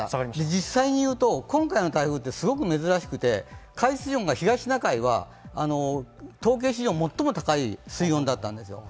実際にいうと、今回の台風はすごく珍しくて海水温が東シナ海ば統計史上最も高い水温だったんですよ。